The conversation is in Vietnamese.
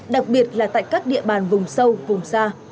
đặc biệt là tại các địa bàn vùng sâu vùng xa